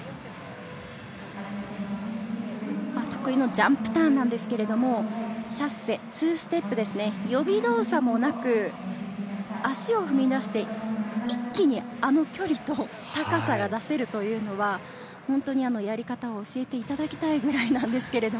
得意のジャンプターンなんですけれども、シャッセ、２ステップ、予備動作もなく、足を踏み出して一気にあの距離と高さが出せるというのはやり方を教えていただきたいくらいです。